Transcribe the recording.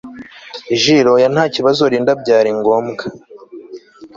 Jule oya ntakibazo Linda byari ngombwa